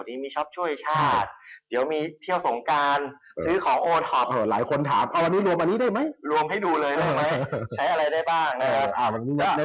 ก็มีมาตรการทางด้านการครังต่างที่รถจอดภาษี